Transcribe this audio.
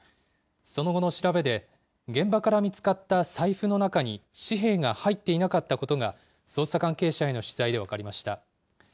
その後の調べで、現場から見つかった財布の中に、紙幣が入っていなかったことが、捜査関係者への取材で分かりました。